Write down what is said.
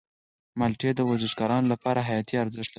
مالټې د ورزشکارانو لپاره حیاتي ارزښت لري.